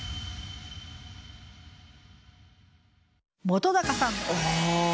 本さん。